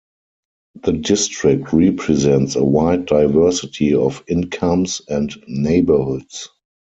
The district represents a wide diversity of incomes and neighborhoods.